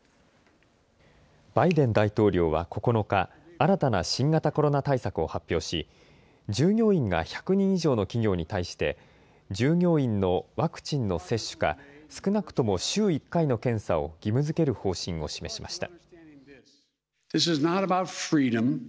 バイデン大統領は９日、新たな新型コロナ対策を発表し、従業員が１００人以上の企業に対して、従業員のワクチンの接種か、少なくとも週１回の検査を義務づける方針を示しました。